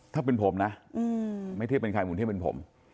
ถ้าเป็นผมนะไม่เท่าเป็นใครแต่ถ้าเป็นผม